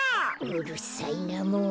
うるさいなもう。